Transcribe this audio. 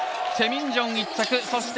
チェ・ミンジョン１着